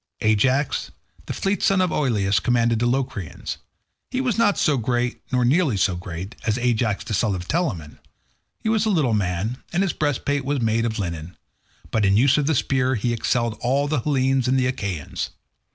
Ajax, the fleet son of Oileus, commanded the Locrians. He was not so great, nor nearly so great, as Ajax the son of Telamon. He was a little man, and his breastplate was made of linen, but in use of the spear he excelled all the Hellenes and the Achaeans.